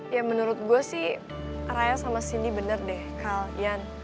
ya menurut gue sih arya sama cindy benar deh kalian